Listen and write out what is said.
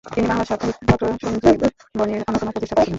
তিনি বাংলা সাপ্তাহিক পত্র সঞ্জীবনী-র অন্যতম প্রতিষ্ঠাতা ছিলেন।